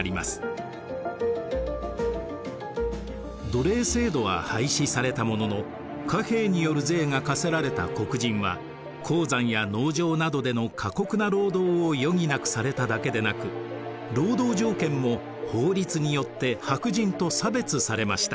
奴隷制度は廃止されたものの貨幣による税が課せられた黒人は鉱山や農場などでの過酷な労働を余儀なくされただけでなく労働条件も法律によって白人と差別されました。